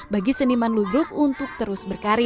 bagi seniman ludruk untuk terus berkarya